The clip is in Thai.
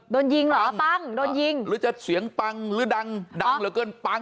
โดนยิงเหรอปังโดนยิงหรือจะเสียงปังหรือดังดังเหลือเกินปัง